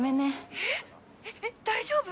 えっえっ大丈夫？